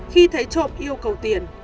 khi thấy trộm yêu cầu tiền